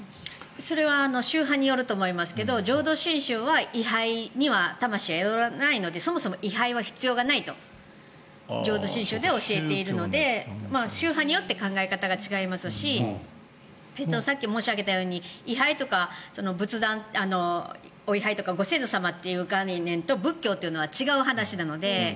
それは宗派によると思いますが浄土真宗は位牌には魂は宿らないのでそもそも位牌は必要がないと浄土真宗では教えているので宗派によって考え方が違いますしさっき申し上げたようにお位牌とかご先祖様という概念と仏教というのは違う話なので。